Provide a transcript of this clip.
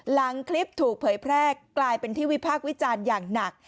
หลังคลิปถูกเผยแพร่กลายเป็นที่วิพากษ์วิจารณ์อย่างหนัก